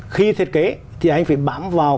khi thiết kế thì anh phải bám vào